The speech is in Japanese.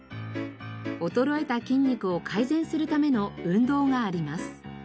衰えた筋肉を改善するための運動があります。